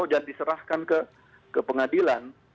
dan diserahkan ke pengadilan